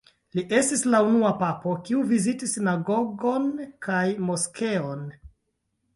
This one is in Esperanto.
Li estis la unua papo, kiu vizitis sinagogon kaj moskeon.